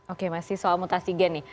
oke masih soal mutasi gen nih